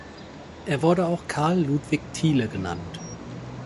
Er wurde auch "Carl Ludwig Thiele" genannt.